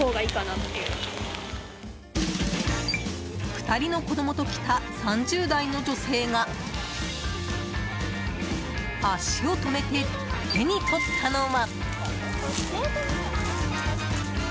２人の子供と来た３０代の女性が足を止めて手に取ったのは。